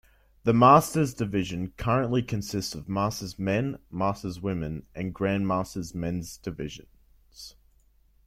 The Masters division currently consists of Masters Men, Masters Women and Grandmasters Men's divisions.